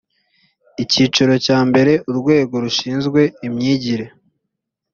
icyiciro cyambere urwego rushinzwe imyigire